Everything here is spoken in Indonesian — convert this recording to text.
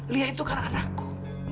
lia itu kan anakku